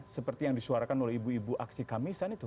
seperti yang disuarakan oleh ibu ibu aksi kamisan itu